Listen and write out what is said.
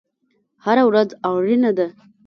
هره ورځ اړینه ده